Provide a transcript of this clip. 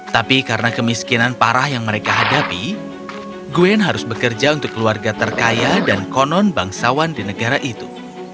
tapi karena kemiskinan parah yang mereka hadapi gwen harus bekerja untuk keluarga terkaya dan konon bangsawan di negara itu